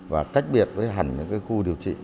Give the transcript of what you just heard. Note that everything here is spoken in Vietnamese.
và cách biệt với hẳn những khu điều trị